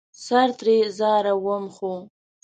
سر ترې ځاروم ،خو